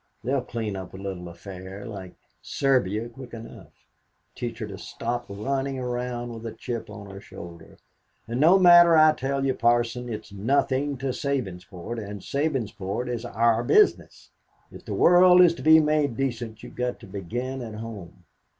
They'll clean up a little affair like Serbia quick enough; teach her to stop running around with a chip on her shoulder. And no matter, I tell you, Parson; it's nothing to Sabinsport, and Sabinsport is our business. If the world is to be made decent, you've got to begin at home.